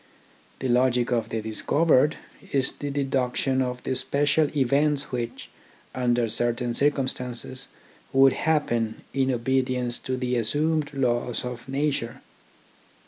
The logic of the discovered is the deduction of the special events which, under certain circum stances, would happen in obedience to the assumed laws of nature.